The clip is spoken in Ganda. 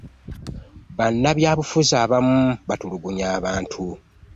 Bannabyabufuzi abamu batulugunya abantu.